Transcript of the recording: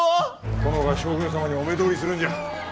殿が将軍様にお目通りするんじゃ。